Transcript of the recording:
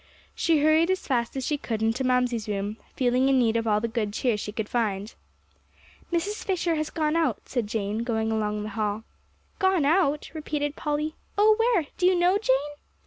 She hurried as fast as she could into Mamsie's room, feeling in need of all the good cheer she could find. "Mrs. Fisher has gone out," said Jane, going along the hall. "Gone out!" repeated Polly, "Oh, where? Do you know, Jane?"